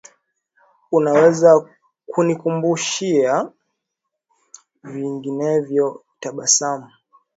Unaweza kunikumbushia? Vinginevyo nitasahau.